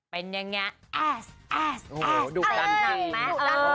เป็นยังไงแอ๊สแอ๊สแอ๊สดูดันดังนะดันดื่ม